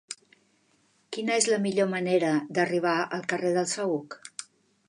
Quina és la millor manera d'arribar al carrer del Saüc?